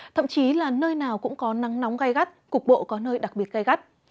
thậm chí là nơi nào cũng có nắng nóng gai gắt cục bộ có nơi đặc biệt gai gắt